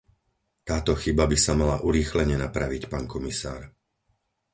Táto chyba by sa mala urýchlene napraviť, pán komisár.